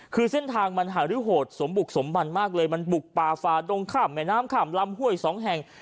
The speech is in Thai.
คือเส้นทางมันหารือโหดสมบุกสมบันมากเลยมันบุกป่าฝาดงข้ามแม่น้ำข้ามลำห้วยสองแห่ง